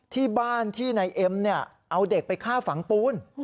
ที่บ้านที่นายเอ็มเอาเด็กไปฆ่าฝังปูน